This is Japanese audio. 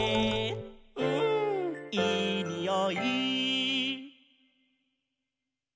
「うんいいにおい」